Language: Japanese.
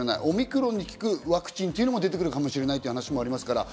オミクロンに効くワクチンも出てくるかもしれないという話もあります。